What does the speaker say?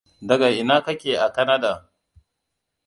Daga ina ka ke a Canada?